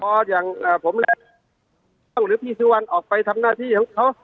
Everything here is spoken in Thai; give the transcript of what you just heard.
พออย่างผมแหละต้องหรือพี่สุวรรณออกไปทำหน้าที่ของเขา